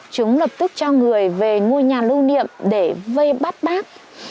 chúng lập tức cho người về ngôi nhà nưu niệm để vây bát bát